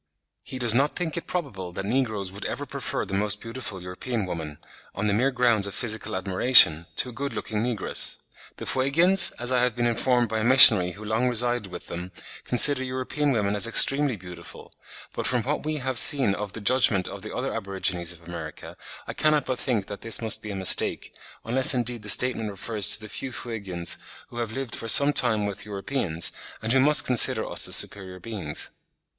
He does not think it probable that negroes would ever prefer the most beautiful European woman, on the mere grounds of physical admiration, to a good looking negress. (68. The 'African Sketch Book,' vol. ii. 1873, pp. 253, 394, 521. The Fuegians, as I have been informed by a missionary who long resided with them, consider European women as extremely beautiful; but from what we have seen of the judgment of the other aborigines of America, I cannot but think that this must be a mistake, unless indeed the statement refers to the few Fuegians who have lived for some time with Europeans, and who must consider us as superior beings.